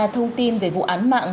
thông tin về vụ án mạng